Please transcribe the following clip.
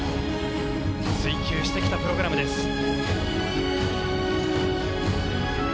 追求してきたプログラムです。